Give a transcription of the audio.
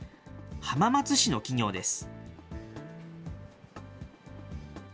浜松市の企業です。